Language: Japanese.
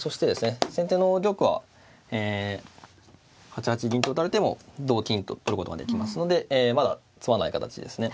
先手の玉は８八銀と打たれても同金と取ることができますのでまだ詰まない形ですね。